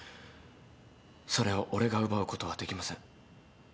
それを俺が奪うことはできません。